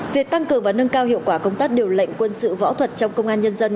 việc tăng cường và nâng cao hiệu quả công tác điều lệnh quân sự võ thuật trong công an nhân dân